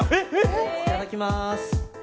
いただきます。